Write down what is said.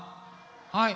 はい。